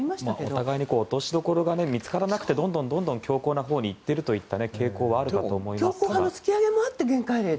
お互いに落としどころが見つからなくてどんどん強硬なほうにいっているといった傾向もあると思います。